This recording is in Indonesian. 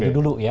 ini dulu ya